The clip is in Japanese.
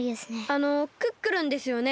あのクックルンですよね？